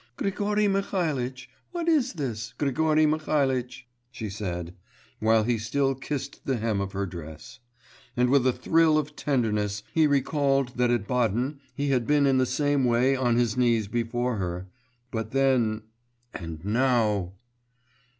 'Grigory Mihalitch, what is this, Grigory Mihalitch?' she said ... while he still kissed the hem of her dress ... and with a thrill of tenderness he recalled that at Baden he had been in the same way on his knees before her.... But then and now!